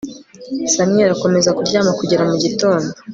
samweli akomeza kuryama kugera mu gitondo